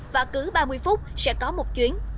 và cứ ba mươi phút sẽ có một chuyến